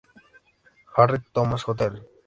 Harry Thomas, Jr.